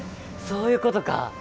そういうことか！